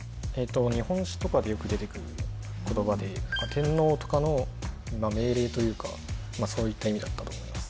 日本史とかでよく出てくる言葉で天皇とかの命令というかそういった意味だったと思います